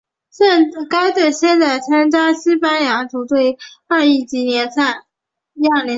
该队现在参加西班牙足球乙二级联赛。